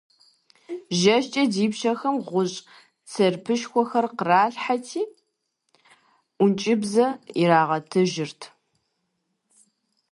ЖэщкӀэрэ ди пщэхэм гъущӀ церпышхуэхэр къралъхьэрти ӀункӀыбзэ иратыжырт.